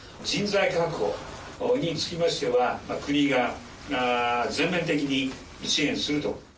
人材確保につきましては、国が全面的に支援すると。